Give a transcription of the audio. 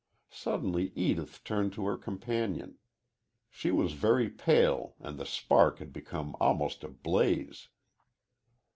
Suddenly Edith turned to her companion. She was very pale and the spark had become almost a blaze.